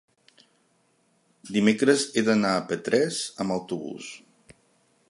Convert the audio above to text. Dimecres he d'anar a Petrés amb autobús.